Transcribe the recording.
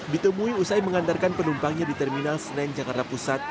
ditemui usai mengantarkan penumpangnya di terminal senen jakarta pusat